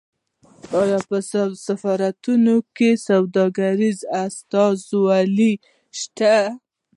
آیا په سفارتونو کې سوداګریزې استازولۍ شته؟